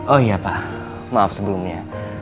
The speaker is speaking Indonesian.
oh iya pak maaf sebelumnya